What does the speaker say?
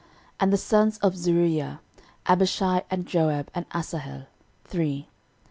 And the sons of Zeruiah; Abishai, and Joab, and Asahel, three.